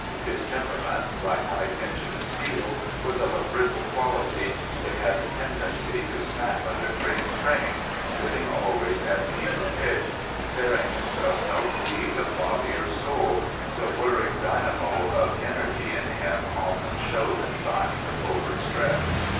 His temperament, like high tension steel, was of a brittle quality; it had the tendency to snap under great strains, living always at fever pitch, sparing himself no fatigue of body or soul, the whirring dynamo of energy in him often showed signs of overstress.